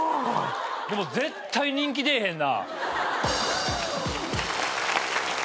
でも絶対人気出えへんな。